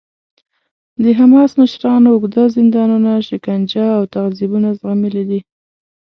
د حماس مشرانو اوږده زندانونه، شکنجه او تعذیبونه زغملي دي.